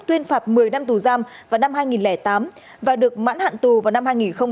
tuyên phạt một mươi năm tù giam vào năm hai nghìn tám và được mãn hạn tù vào năm hai nghìn một mươi